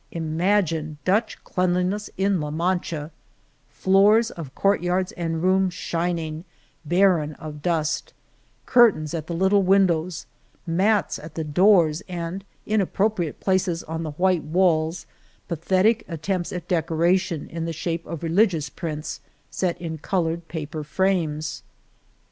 Imagine Dutch cleanliness in La Mancha ; floors of court yards and rooms shining, barren of dust, curtains at the little windows, mats at the doors, and in appropriate places on the white walls pathetic attempts at decoration in the shape of religious prints set in colored paper frames